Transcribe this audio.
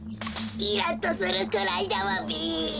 イラッとするくらいだわべ。